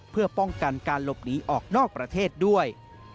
เพื่อป้องกันการหลบหนีออกนอกประเทศด้วย